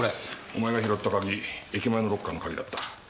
お前が拾った鍵駅前のロッカーの鍵だった。